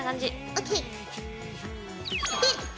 ＯＫ。